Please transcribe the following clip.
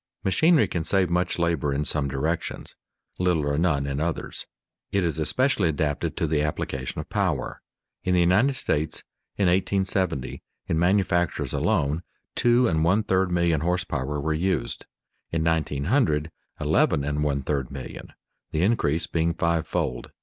_ Machinery can save much labor in some directions, little or none in others. It is especially adapted to the application of power. In the United States, in 1870, in manufactures alone, two and one third million horse power were used; in 1900, eleven and one third million, the increase being five fold.